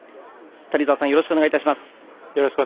谷澤さん、よろしくお願いします。